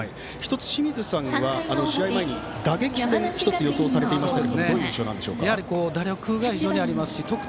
１つ、清水さんは試合前に打撃戦を予想されていましたが。